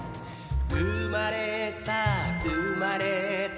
生まれた生まれた